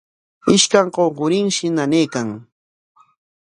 Ishkan qunqurinshi nanaykan.